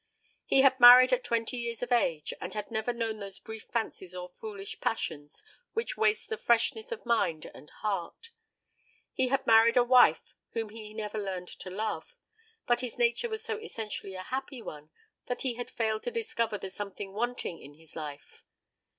He had married at twenty years of age, and had never known those brief fancies or foolish passions which waste the freshness of mind and heart. He had married a wife whom he never learned to love; but his nature was so essentially a happy one, that he had failed to discover the something wanting in his life.